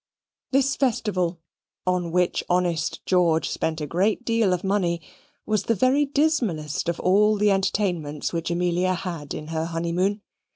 This festival, on which honest George spent a great deal of money, was the very dismallest of all the entertainments which Amelia had in her honeymoon.